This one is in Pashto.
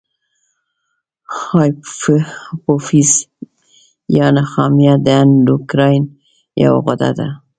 هایپوفیز یا نخامیه د اندوکراین یوه غده ده.